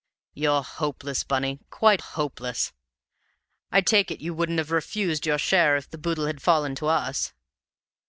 "You're hopeless, Bunny, quite hopeless! I take it you wouldn't have refused your share if the boodle had fallen to us?